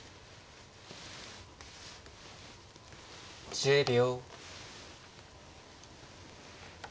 １０秒。